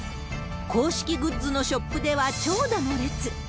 公式グッズのショップでは長蛇の列。